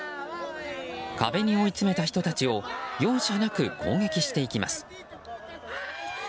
壁に追い詰めた人たちを容赦なく攻撃していきます。